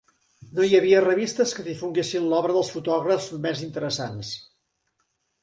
No hi havia revistes que difonguessin l'obra dels fotògrafs més interessants.